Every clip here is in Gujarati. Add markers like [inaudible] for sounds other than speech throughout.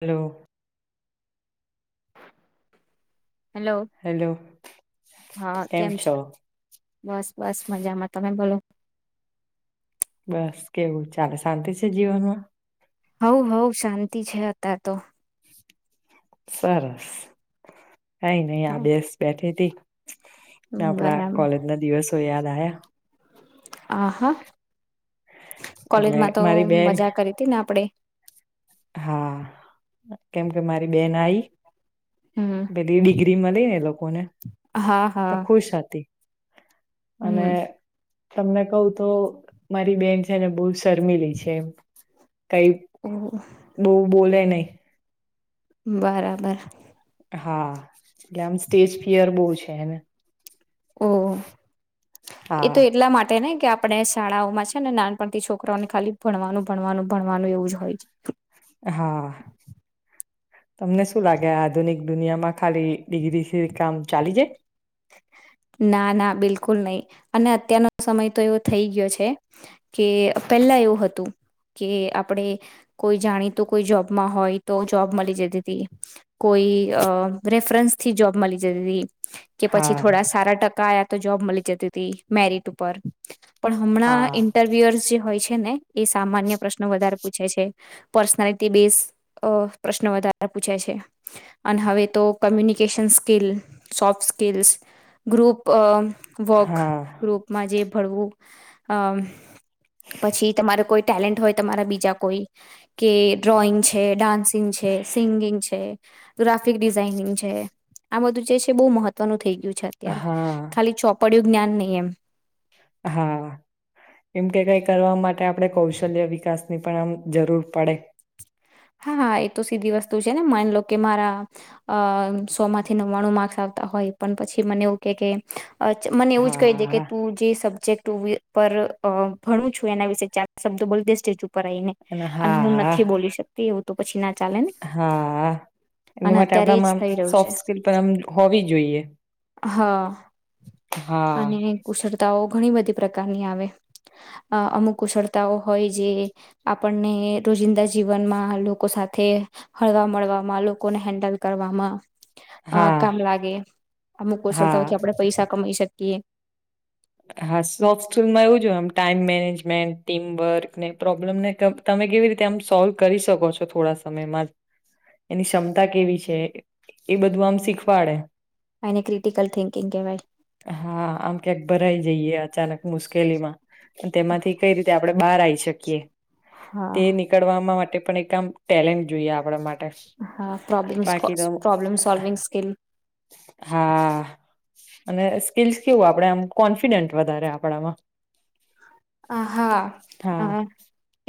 હલો. હેલો હેલો કેમ છો. બસ બસ મજામાં તમે બોલો. બસ કેવું ચાલે શાંતિ છે જીવનમાં. હવ હવ શાંતિ છે અ હતા. તો સરસ. કઈ નહી આ બેસ બેઠી હતી. આપડા બરાબર કોલેજ ના દિવસ તો યાદ આ આહા એટલે કોલેજમાં તો મારી બેન મજા કરી હતી ને આપડે હા કેમ કે મારી બેન આઈ હમ પેલી ડિગ્રી મળી ને લોકોને હા તો હા ખુશ હતી અને હમ તમને કહ તો મારી બેન છે ને બહ શરમી લઈ છે એમ ઓહ તું બોલ નહી બરાબર હા એટલે આમ સ્ટેજ ફિયર બહુ છે એને ઓ એ હા તો એટલા માટે ને કે આપણે શાળાઓમાં છે ને નાનપણ છોકરાઓને ખાલી ભણવાનું ભણવાનું ભણવાનું એવું જ હોય છે હા તમને શું લાગે આધુનિક દુનિયામાં ખાલી ડિગ્રી છે કામ ચાલી જાય છે ના ના બિલકુલ નહી અને અત્યારનો સમય તો એવો થઈ ગયો છે કે પેલા એવું હતું કે આપણે કોઈ જાણીતું કોઈ જોબમાં હોય તો જોબ મળી જતી હતી કોઈ રેફરન્સ થી જોબ મળી જરૂરી કે પછી હા. થોડા સારા ટકા આયા તો જોબ મળી જતી હતી મેરિટ ઉપર પણ હમણાં હા ઇન્ટરવ્યુઅર્સ જે હોય છે ને એ સામાન્ય પ્રશ્નો વધારે પૂછે છે પર્સનાલિટી બેઝ પ્રશ્નો વધારે પૂછે છે અને હવે તો communication skill soft skills group work હા ગ્રુપમાં જે ભણવું હમ પછી તમારે કોઈ ટેલેન્ટ હોય તમારા બીજા કોઈ કે ડ્રોઈંગ છે ડાન્સિંગ છે સિંગિંગ છે ગ્રાફિક ડિઝાઇનિંગ છે આ બધું જે છે બહુ મહત્વનું થઈ ગયું છે અત્યારે હા ખાલી ચો પડ્યું જ્ઞાન નહી એમ હા એમ કે કઈ કરવા માટે આપણે કૌશલ્ય વિકાસ ની પણ આમ જરૂર પડે હા હા એ તો સીધી વસ્તુ છે ને માન લો કે મારા અ સો માંથી નવ્વાણું માર્ક્સ આવતા હોય પણ પછી મને એવું કે કે અ મને એવું જ કહી દે કે હા તું જે શબ્દ ટુ વ્લ પર ભણું છું એના વિશેે ચાર શબ્દો બો દે સ્ટ ઉપ આવીને અને હું નથી બોલી શકતો એવું તો પછી ના હા એના અને માટે અત્યારે એજ આપણામાં થઈ રહ્યું છે સોફ્ટ સ્કીલ પણ આમ હોવી જોઈએ હ હા અને કુશળતાઓ ઘણી બધી પ્રકારની આવે અમુક કુશળતાઓ હોય જે આપણને રોજિંદા જીવનમાં લોકો સાથે હળવા મળવામાં લોકોને હેન્ડલ કરવામાં અ હા કામ લાગે હા અમુકુશળતાથી આપડે પૈસા કમાઈ શકીએ કે હા સોફ્ટ સ્કૂલમાં એવું જોય આમ ટાઈમ મેનેજમેન્ટ ટીમવર્ક ને પ્રોબ્લેમને તમે કેવી રીતે આમ સોલ્વ કરી શકો છો થોડા સમયમાં એની ક્ષમતા કેવી છે એ બધું આમ શીખવાડે એને ક્રિટિકલ થિંકિંગ કહેવાય હા આમ ક્યાંક ભરાઈ જઈએ અચાનક મુશ્કેલીમાં તેમાંથી કઈ રીતે આપડણે બહાર આવી શકીએ હા તે નીકળવા માટે માટે પણ એક આમ ટેલેન્ટ જોઈએ આપણા માટે હા પ્રોબ્લેમ બાકી તો પ્રોબ્લેમ સોલ્વિંગ સ્કલ હા અને સ્કીલ્સ કેવું આપણેે આમ કોન્ફિડન્ટ વધારે આપણામાં અ હા હ હા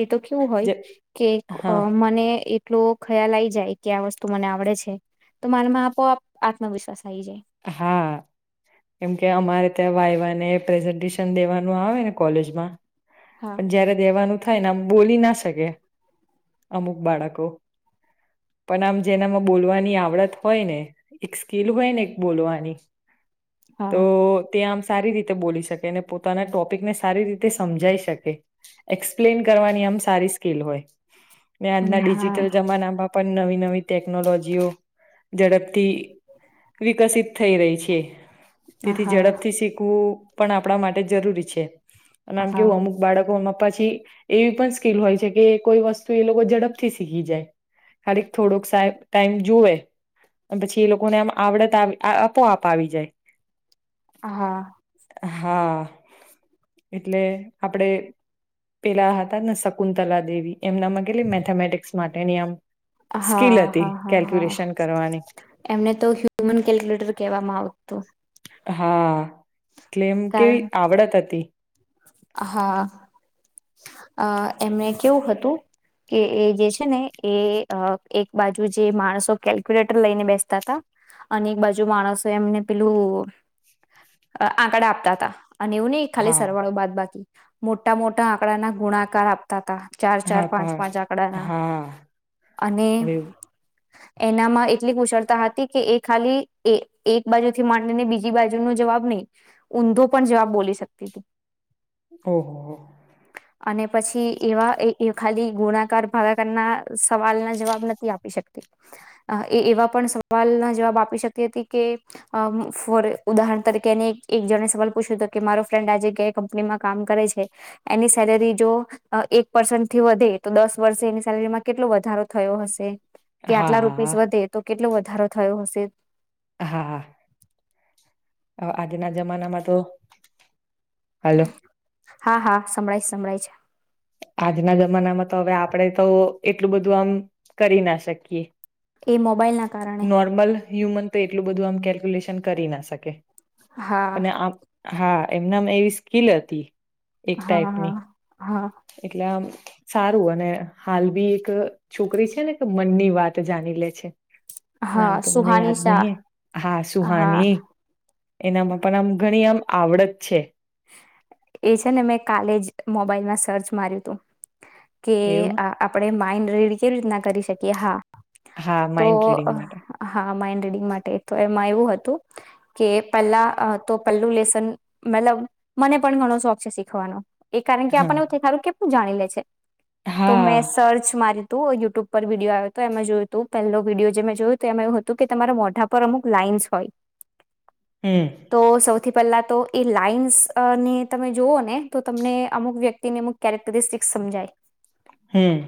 એ તો શું હોય જે કે હા મને એટલો ખ્યાલ આ આવી જાય કે આ વસ્તુ મને આવડે છે તો મારામાં આપો આત્મવિશ્વાસ આવી જાય હા કેમકે અમારે ત્યાં વાયવાને પ્રેઝન્ટેશન દેવાનું આવે ને કોલેજમાં હા પણ જયારે દેવાનું થાયને આમ બોલી ના શકે અમુક બાળકો પણ આમ જેનામાં બોલવાની આવડત હોય ને એક સ્કીિલ હોય ને બોલો અને હા તો તે આમ સારી રીતે બોલી શકે અને પોતાના ટોપિકને સારી રીતે સમજાઈ શકે. એક્સપ્લેન કરવાની આમ સારી સ્કીલ હોય. મે હા આજના ડિજિટલ હા જમાનામાં પણ નવી નવી ટેકનોલોજીઓ જડ તે વિકસિત થઈ રહી છે. તેથી હા ઝડપથી શીખવું પણ આપણા માટે જરૂરી છે. અને આમ હા કેવું અમુક બાળકોમાં પછી એવી પણ સ્કીિલ હોય છે, કે કોઈ વસ્તુ એ લોકો ઝડપથી શીખી જાય. ખાલી થોડોક સા ટાઈમ જુવે પછી એ લોકોને આમ આવડત આપો-આપ આવી જાય હા હા એટલે આપડે પેલા હતા ને શકુંંતલા દેવી એમનામાંેલી મેથેામેટિક્સ માટે નિયમ હા હા હા હા કરવાની એમને તો ક્યુમન કેલ્ક્યુલેટર કહેવામાં આવત હતું. હા એટલે એમ કેવી કારણ આવડત હતી. હા અ એમને કેવું હતું કે એ જે છે ને એ એક બાજુ જે માણસો કેલ્ક્યુલેટર લઈને બેસતા હતા અને એક બાજુ માણસો એમને પેલું આંકડા આપતા હતા. અને એું ન ખાલી હા સરવાળો બાદ બાકી મોટા મોટા આંકડાના ગુણાકાર આપતા હતા. ચાર ચાર હા પાંચ હા પાંચ આંકડાના હા અને હવે એનામાં એટલી કુશળતા હતી કે એ ખાલી એક બાજુ થી માંડીને બીજી બાજુ નો જવાબ નહી ઊંધો પણ જવાબ બોલી શકતી હતી. ઓહ, અને પછી એવા ખાલી ગુણાકાર ભાગાકારના સવાલના જવાબ નથી આપી શકતી એ એવા પણ સવાલના જવાબ આપી શકતી હતી કે ફોર ઉદાહરણ તરીકે એને એક જણે સવાલ પૂછ્યો હતો કે મારો ફ્રેન્ડ આજે કંપનીમાં કામ કરે છે એની સેલેરી જો એક પર્સ થી વધે તો દસ વર્ષે એની સેલેરીમાં કેટલો વધારો થયો હશે. કે હા આટલા હા રૂપીસ હા વધે તો કેટલો વધે વધારો થયો હશે હા હા આજના જમાનામાં તો, હાલો હા હા સંભળાય સંભળાય છે. આજના જમાનામાં તો હવે આપડે તો એટલું બધું આમ કરી ના શકીએ. છે એ મોબાઈલ ના કારણે નોર્મલ હ્યુમ તે એટલું બધું આમ કેલ્ક્યુલેશન કરી ના શકે. હા અને આમ હા. એમનામાં એવી સ્કીલ હતી. એક હા હા ટાઈપની હા એટલે આમ સારું અને હાલ બી એક છોકરી છે ને એક મનની વાત જાણી લે છે. હા નામ તો મને સુહાની યાદ શાહ નહી, હા હા સુહાની એનામાં પણ આમ ઘણી આમ આવડત છે. એ છે ને મેં કાલે જ મોબાઈલમાં સર્ચ માર્યું હતું. કે એવું આપડે મા આઇન્ડ્રેડ કેવી રીતના કરી શકીએ હા. હા તો માઇન્ડ રીડિંગ માટે હા માઇન્ડ રીડિંગ માટે તો એ મા એવું હતું કે પેલ્લા તો પેલ્લું લેસન મતલબ મને પણ ઘણો શોખ છે શીખવાનો. એ કારણ કે હા આપનેવ થું થારુ કે. જાણી લે છે. તો હા મેં સર્ચ મારી. તો યુટ્યુબ પર વિડીયો આવ્યો હતો એમાં જોયું હતું પહેલો વિડીયો જે જોયુ ત એમાં એવું હતું કે તમારા મોઢા પર અમુક લાઈન્સ હોય. હમ તો સૌથી પહેલા તો એ લાઈન્સ અ ને તમે જુઓ ને તો તમને અમુક વ્યક્તિને અમુક કેરેક્ટરિસ્ટિક સમજાય. હમ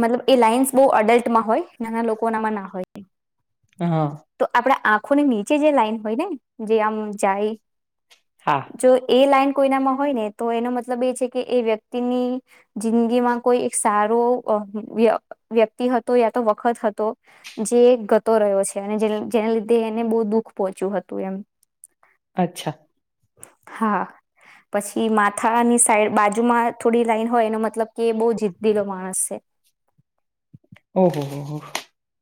મતલબ એ લાઈઇન્સ બહુ અડલ્ટમાં હોય નાના લોકોનામાં ના હોય. હા તો આપડા આ કો નીચે જે લાઈન હોયને જે આમ જાય. હા જો એ લાઈન કોઈનામાં હોય ને તો એનો મતલબ એ છે કે એ વ્યક્તિની જિંદગીમાં કોઈ એક સારો વ્યક્તિ હતો યા તો વખત હતો જે ગતો રહ્યો છે અને જેના લીધે એને બહુ દુઃખ પોહોંચ્યું હતું એમ. અચ્છા. હા પછી માથાની સાઈડ બાજુમાં થોડી લાઈન હોય એનો મતલબ કે બહુ જીદીલો માણસ છે. ઓ હો હો હો.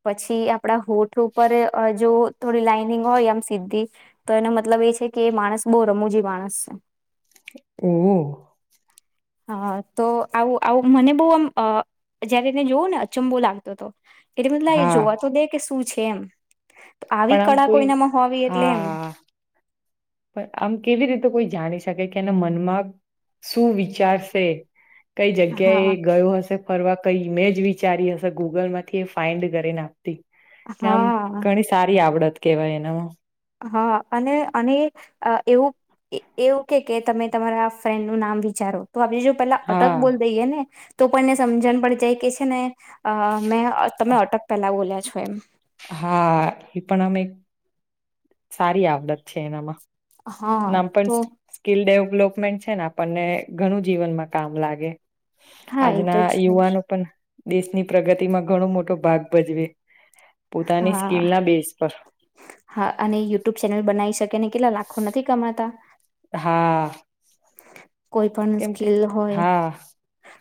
પછી આપડા હોઠ ઉપર જો થોડી લાઈનિંગ હોય આમ સીધી તો એનો મતલબ એ છે કે માણસ બહુ રમૂજી માણસ છે. હમ હા તો આવું આવું મને બો આમ જયારેને જોવું ને ચંબુ લાગતો હતો. એટલે [unintelligible] એ હા જોવા તો દે કે શું છ. એમ. તો પણ આવી આમ કળા કોઈ કોઈનામાં હોવી એટલે એમ હા પણ આમ કેવી રીતે કોઈ જાણી શકે કે એના મનમાં શું વિચારશે કઈ જગ્યા એ હા ગયો હશે ફરવા કઈ મેજ વિચારી હશે ગૂગલ માંથી એ ફાાઈન્ડ કરેને આપ એટલે આમ હા ઘણી સારી આવડત. કેવાય એનામાં. હા અને અને એવું એવું કે કે તમે તમારા ફ્રેન્ડનું નામ વિચારો. તો આપ જો પેલા અટક હા બોલ દઈએે ને. તો પણ એને સમજણ પડી જાય કે છે ને અ અમે તમે અટક પહેલા બોલ્યા સ્વ એયમ હા એ પણ અમે સારી આવડત છે એનામાં. હા નામ પણ તો સ્કીલડેવ ડેપમેન્ટ છે ને આપણને ઘણું જીવનમાં કામ લાગે. હા એ તો આજના છે જ યુવાનો પણ દેશની પ્રગતિમાં ઘણો મોટો ભાગ ભજવે. પોતાની હા સ્કીલના બેઝ પર હા અને યુટ્યુબ ચેનલ બનાવી શકે ને કેટલા લાખો નથી કમાતા. હા. કોઈ પણ કેમ કે સ્કીલ હોય. હા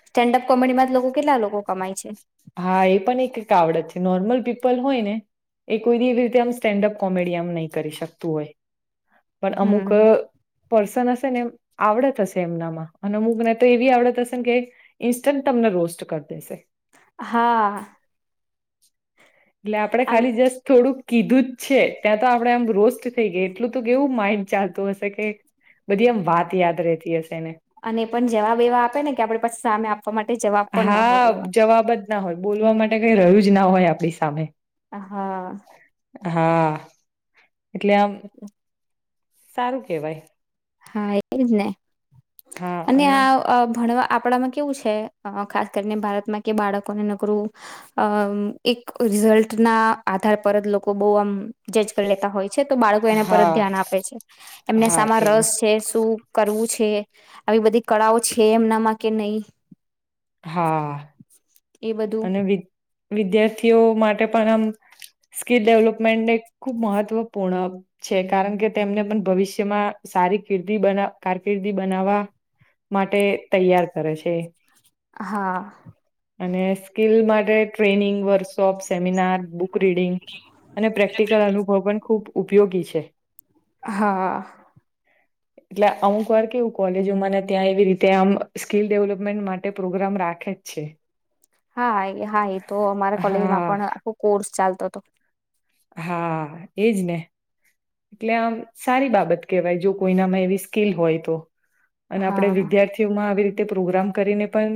સ્ટેન્ડઅપ કોમેડીમાં લોકો કેટલા લોકો કમાય છે. હા એ પણ એક એક આવડત છે નોર્મલ પીપલ હોય ને એ કોઈ એવી રીતે આમ સ્ટેન્ડઅપ કોમેડી આમ નહીં કરી શકતું હોય. પણ અમુક હમ પર્સન હશે ને આવડત હશે એમનામાં અને અમુક મને તો એવી આવડત હશે ને કે ઇન્સ્ટન્ટ તમને રોસ્ટ કરી દેશે. હા એટલે આપડે આમ ખાલી જસ્ટ થોડુંક કીધું જ છે ત્યાં તો આપડે આમ રોસ્ટ થઈ ગયા એટલું કે એવું માઇન્ડ ચાલતું હશે કે બધી એમ વાત યાદ રતી હશે ને અને એ પણ જવાબ એવા આપે ને કે આપડે પછી સામે આપ આપવા માટે જવાબ પણ ના હોય હા એવા. જવાબ જ ના હોય બોલવા માટે કઈ રહ્યું જ ના હોય આપણી સામે. હા. હા. એટલે આમ સારું કેવાય. હા એજ ને. અને આ ભણવા આપડામાં કેવું છે ખાસ કરીને ભારતમાં કે બાળકોને નગરું અ એક રિઝલ્ટ ના આધાર પર જ લોકો બહ આમ જજ કરી લેતા હોય છે તો બાળકો એને પરત હા ધ્યાન આપે છે એમને હા સામાર કે રસ છે સૂપ કરવું છે આવી બધી કળાઓ છે એમનામાં કે નહી હા એ બધું અને વિ વિદ્યાર્થીઓ માટે પણ આમ સ્કીિલ ડેવલપમેન્ટને ખૂબ મહત્વપૂર્ણ છે કારણ કે તેમને પણ ભવિષ્યમાં સારી કિર્દી કારકિર્દી બનાવવા માટે તૈયાર કરે છે હા અને સ્કીલ માટે training workshop seminar book reading અને પ્રેક્ટિકલ અનુભવ પણ ખૂબ ઉપયોગી છે હા એટલે અમુક વાર કેવું કોલેજોમાંને ત્યાં એવી રીતે આમ સ્કીિલ ડેવલપમેન્ટ માટે પ્રોગ્રામ રાખે જ છે હા હા એ તો અમારા કોલેજમાં હા પણ આખો કોર્સ ચાલતો હતો તો હા એજ ને એટલે આમ સારી બાબત કેહેવાય જો કોઈનામાં એવી સ્કીિલ હોય તો અને આપડે હા વિદ્યાર્થીઓમાં આવી રીતે તે પ્રોગ્રામ કરીને પણ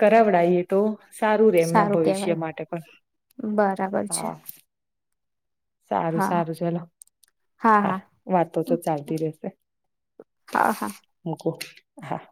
કરાવડાયએ તો સારું રે એમના ભવિષ્ય માટે પણ બરાબર છે હા સારું હા સારું ચલો હા વાતો તો ચાલતી રેશે હા હા મૂક હા